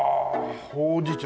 ほうじ茶